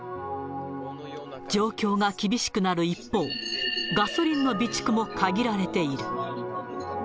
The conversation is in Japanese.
状況が厳しくなる一方、ガソリンの備蓄も限られている。